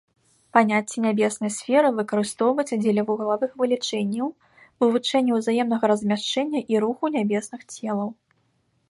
Паняцце нябеснай сферы выкарыстоўваецца дзеля вуглавых вылічэнняў, вывучэння ўзаемнага размяшчэння і руху нябесных целаў.